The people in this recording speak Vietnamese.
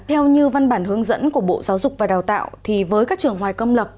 theo như văn bản hướng dẫn của bộ giáo dục và đào tạo thì với các trường hoài công lập